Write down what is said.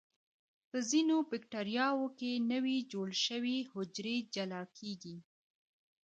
په ځینو بکټریاوو کې نوي جوړ شوي حجرې جلا کیږي.